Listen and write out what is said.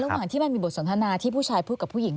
แล้วระหว่างที่มันมีบทสนทนาที่ผู้ชายพูดกับผู้หญิง